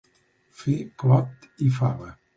Fer clot i fava.